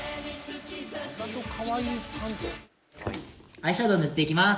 アイシャドウ塗っていきます。